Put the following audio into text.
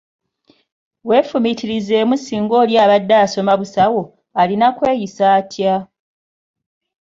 Weefumiitirizeemu singa oli abadde asoma busawo, alina kweyisa atya?